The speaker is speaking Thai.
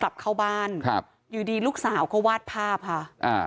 กลับเข้าบ้านครับอยู่ดีลูกสาวก็วาดภาพค่ะอ่า